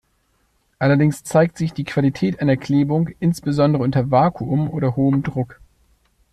Allerdings zeigt sich die Qualität einer Klebung insbesondere unter Vakuum oder hohem Druck.